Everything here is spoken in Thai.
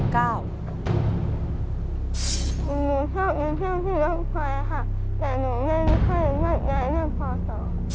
คุณหนูชอบกินเครื่องที่น้ำไพรค่ะแต่หนูไม่ค่อยรู้ได้เรื่องพศ